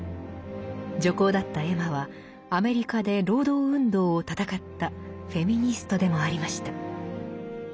女工だったエマはアメリカで労働運動を闘ったフェミニストでもありました。